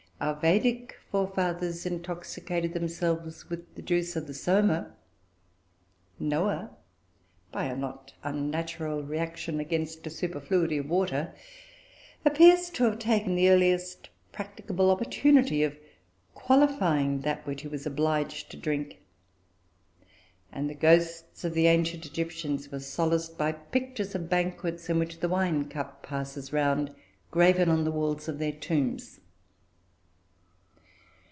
Our Vedic forefathers intoxicated themselves with the juice of the "soma"; Noah, by a not unnatural reaction against a superfluity of water, appears to have taken the earliest practicable opportunity of qualifying that which he was obliged to drink; and the ghosts of the ancient Egyptians were solaced by pictures of banquets in which the wine cup passes round, graven on the walls of their tombs.